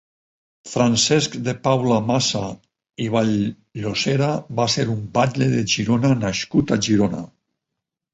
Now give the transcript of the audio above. Francesc de Paula Massa i Vall-llosera va ser un batlle de Girona nascut a Girona.